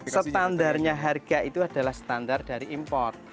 standarnya harga itu adalah standar dari impor